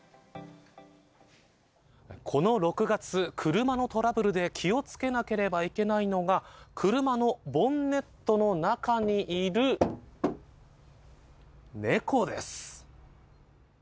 この６月、車のトラブルで気をつけなければいけないのが、車のボンネットの中にいる、猫です。